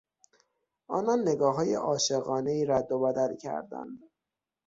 آنان نگاههای عاشقانهای رد و بدل کردند.